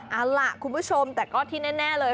เอาล่ะคุณผู้ชมแต่ก็ที่แน่เลย